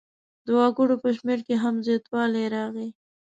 د وګړو په شمېر کې هم زیاتوالی راغی.